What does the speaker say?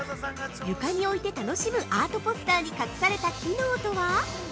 床に置いて楽しむアートポスターに隠された機能とは？